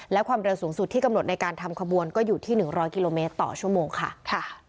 และความเร็วสูงสุดที่กำหนดในการทำขบวนก็อยู่ที่๑๐๐กิโลเมตรต่อชั่วโมงค่ะ